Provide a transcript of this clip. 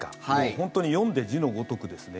本当に読んで字のごとくですね